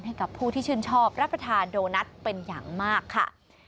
ให้กับผู้ที่ชื่นชอบรับประทานโดนัทเป็นอย่างมากค่ะ